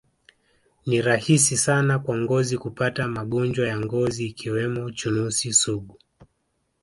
Ni rahisi sana kwa ngozi kupata magonjwa ya ngozi ikiwemo chunusi sugu